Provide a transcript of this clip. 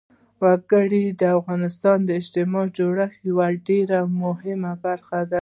وګړي د افغانستان د اجتماعي جوړښت یوه ډېره مهمه برخه ده.